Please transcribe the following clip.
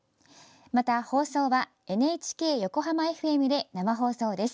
また、放送はＮＨＫ横浜ＦＭで生放送です。